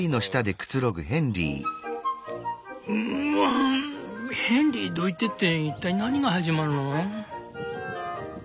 「ウーワン『ヘンリーどいて』って一体何が始まるの？」。